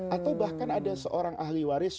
atau bahkan ada seorang ahli waris